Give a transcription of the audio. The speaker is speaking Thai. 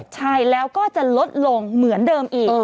ใช่แล้วก็จะลดลงเหมือนเดิมอีก